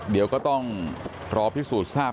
เดี๋ยวก็ต้องรอพิสูจน์ทราบ